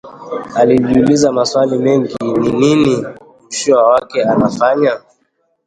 Alijiuliza maswali mengi, ni nini mshua wake anafanya?